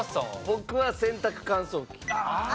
僕は洗濯乾燥機。